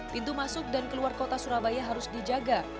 pintu masuk dan keluar kota surabaya harus dijaga